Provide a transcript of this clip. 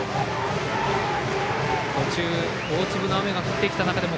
途中、大粒の雨が降ってきた中でも